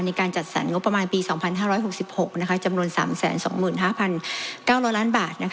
ในการจัดสรรงบประมาณปี๒๕๖๖จำนวน๓๒๕๙๐๐ล้านบาท